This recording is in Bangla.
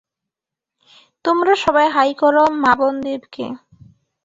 তোমরা সবাই হাই করো মাবন দেবকে।